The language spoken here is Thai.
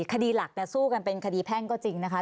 คดีหลักสู้กันเป็นคดีแพ่งก็จริงนะคะ